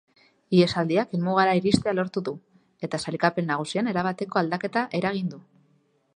Ihesaldiak helmugara iristea lortu du, eta sailkapen nagusian erabateko aldaketa eragin du.